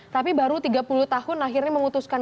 tapi baru tiga puluh tahun akhirnya memutuskan